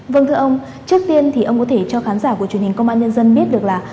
vâng thưa ông trước tiên thì ông có thể cho khán giả của truyền hình công an nhân dân biết được là